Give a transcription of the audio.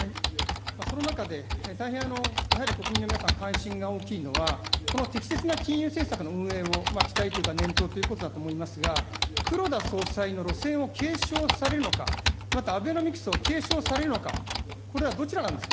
その中で、大変、やはり国民の皆さん、関心が大きいのは、適切な金融政策の運営を期待というか、黒田総裁の路線を継承されるのか、またアベノミクスの路線を継承されるのか、これはどちらなんですか。